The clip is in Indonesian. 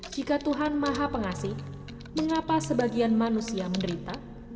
jika tuhan maha pengasih mengapa sebagian manusia menderita